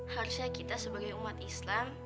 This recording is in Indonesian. harusnya kita sebagai umat islam